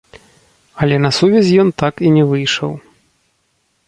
Але на сувязь ён так і не выйшаў.